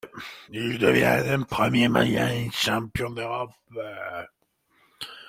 Il devient le premier malien champion d'Europe.